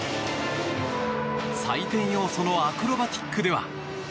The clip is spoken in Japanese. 採点要素のアクロバティックでは。